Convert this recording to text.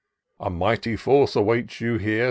A mighty force awaits you here.